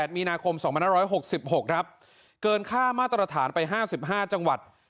๒๘มีนาคมสองพันธุ์ร้อยหกสิบหกนะครับเกินค่ามาตรฐานไปห้าสิบห้าจังหวัด